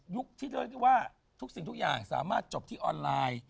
ที่เรียกได้ว่าทุกสิ่งทุกอย่างสามารถจบที่ออนไลน์